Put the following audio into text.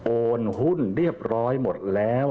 โอนหุ้นเรียบร้อยหมดแล้ว